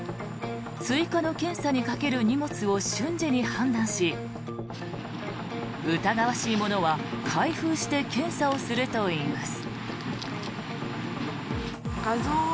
追加の検査にかける荷物を瞬時に判断し疑わしいものは開封して検査をするといいます。